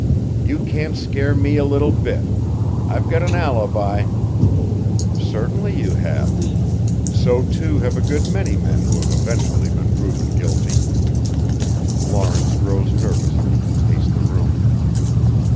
"You can't scare me a little bit. I've got an alibi " "Certainly you have. So, too, have a good many men who have eventually been proven guilty." Lawrence rose nervously and paced the room.